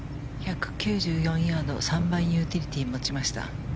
１９４ヤード３番ユーティリティーを持ちました。